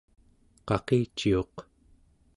qaqiciuq